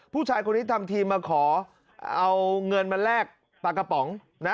ผู้ชายคนนี้ทำทีมาขอเอาเงินมาแลกปลากระป๋องนะ